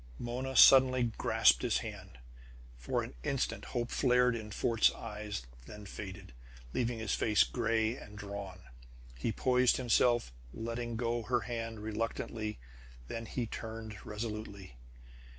Mona suddenly grasped his hand. For an instant hope flared in Fort's eyes, then faded, leaving his face gray and drawn. He poised hiself, letting go her hand reluctantly. Then he turned resolutely.